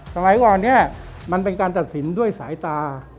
สมัยก่อนเนี่ยมันเป็นการตัดสินด้วยสายตา